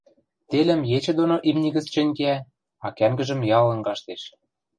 Телӹм ечӹ доно имни гӹц чӹнь кеӓ, а кӓнгӹжӹм ялын каштеш.